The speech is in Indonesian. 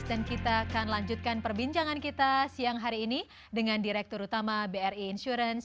dan kita akan lanjutkan perbincangan kita siang hari ini dengan direktur utama bri insurance